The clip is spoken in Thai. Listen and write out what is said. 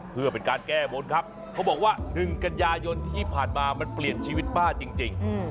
เพื่อเป็นการแก้บนครับเขาบอกว่า๑กันยายนที่ผ่านมามันเปลี่ยนชีวิตป้าจริง